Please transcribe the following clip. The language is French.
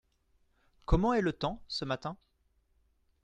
Comment est le temps ce matin ?